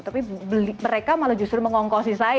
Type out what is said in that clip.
tapi mereka malah justru mengongkosi sebuah acara